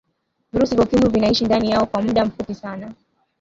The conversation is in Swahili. virusi vya ukimwi vinaishi ndani yao kwa muda mfupi sana